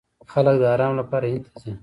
خلک د ارام لپاره هند ته ځي.